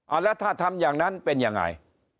แล้วถ้าทำอย่างนั้นเป็นยังไง